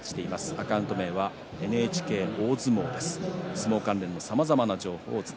アカウント名はＮＨＫ大相撲です。